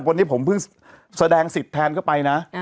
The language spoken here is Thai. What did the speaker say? วันนี้ผมเพิ่งแสดงสิทธิ์แทนเข้าไปนะ